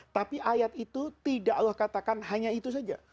tapi ayat itu tidak allah katakan hanya itu saja